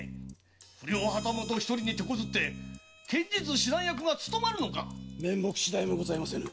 不良旗本ひとりに手こずって剣術指南役が勤まるのか⁉面目ございません。